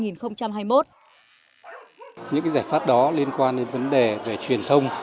những giải pháp đó liên quan đến vấn đề về truyền thông